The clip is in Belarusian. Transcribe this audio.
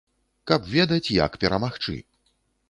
Каб ведаць, як перамагчы.